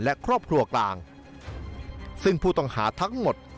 และครอบครัวกลางซึ่งผู้ต้องหาทั้งหมด